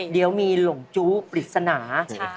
เดี๋ยวมีหลงจู้ปริศนา